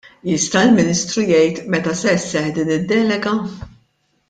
Jista' l-Ministru jgħid meta se sseħħ din id-delega?